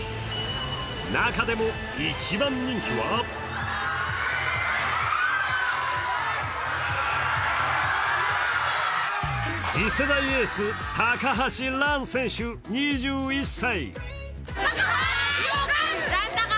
中でも一番人気は次世代エース・高橋藍選手２１歳。